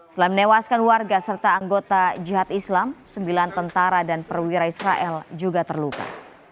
selain menewaskan warga serta anggota jihad islam sembilan tentara dan perwira israel juga terluka